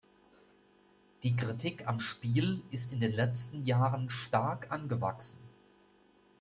Die Kritik am Spiel ist in den letzten Jahren stark angewachsen.